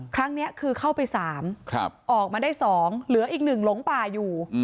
ครั้งนี้คือเข้าไป๓ออกมาได้๒เหลืออีก๑หลงป่าอยู่